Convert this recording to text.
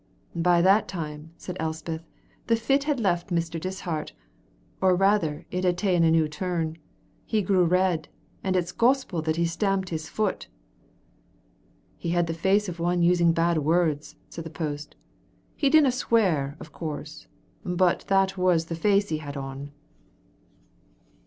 "But by that time," said Elspeth, "the fit had left Mr. Dishart, or rather it had ta'en a new turn. He grew red, and it's gospel that he stamped his foot." "He had the face of one using bad words," said the post. "He didna swear, of course, but that was the face he had on."